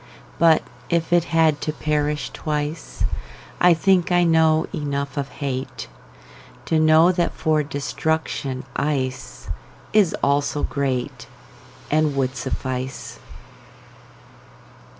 But if it had to perish twice,I think I know enough of hateTo know that for destruction iceIs also greatAnd would suffice.